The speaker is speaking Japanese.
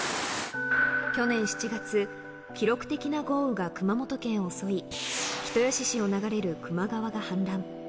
去年７月、記録的な豪雨が熊本県を襲い、人吉市を流れる球磨川が氾濫。